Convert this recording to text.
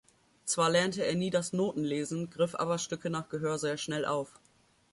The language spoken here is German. Zwar lernte er nie das Noten-Lesen, griff aber Stücke nach Gehör sehr schnell auf.